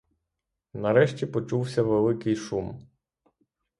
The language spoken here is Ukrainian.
Нарешті почувся великий шум.